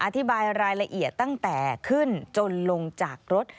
อธิบายรายละเอียดตั้งแต่ขึ้นจนลงจากรถ